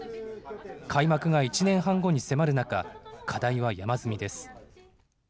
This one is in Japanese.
開幕が１年半後に迫る中、課題は山積みです。